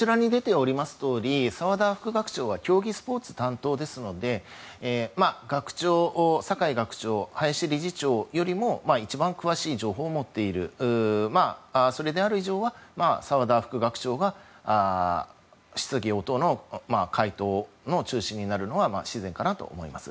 澤田副学長は競技スポーツ担当ですので酒井学長、林理事長よりも一番詳しい情報を持っているそれである以上は澤田副学長が質疑応答の回答の中心になるのは自然かなと思います。